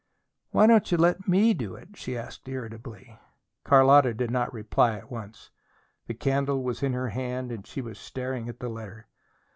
"Why don't you let me do it?" she asked irritably. Carlotta did not reply at once. The candle was in her hand, and she was staring at the letter.